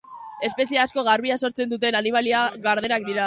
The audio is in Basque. Espezie asko argia sortzen duten animalia gardenak dira.